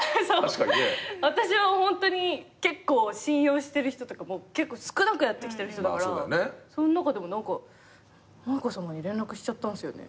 私はホントに結構信用してる人とか少なくやってきてる人だからその中でも何か舞香さまに連絡しちゃったんすよね自然と。